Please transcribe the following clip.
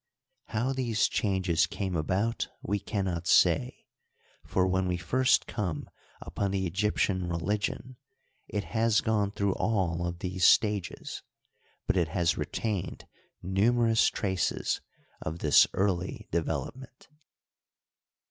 How these changes came about we can not say ; for, when we first come upon the Egyptian religion, it has gone through all of these stages, but it has retained numerous traces of this early development.